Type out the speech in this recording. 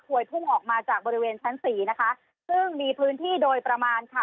พุ่งออกมาจากบริเวณชั้นสี่นะคะซึ่งมีพื้นที่โดยประมาณค่ะ